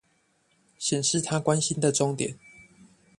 顯示她關心的重點